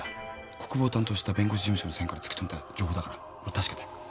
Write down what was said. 国府を担当した弁護士事務所の線から突き止めた情報だから確かだよ。